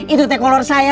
itu teh kolor saya